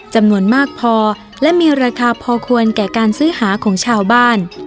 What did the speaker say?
จำนวนมากพอและมีราคาพอควรแก่การซื้อหาของชาวบ้าน